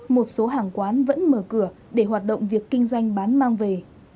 một số hàng quán vẫn mở cửa để hoạt động việc kinh doanh bán mang về